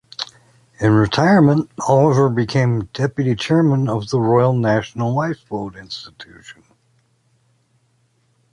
In retirement Oliver became Deputy Chairman of the Royal National Lifeboat Institution.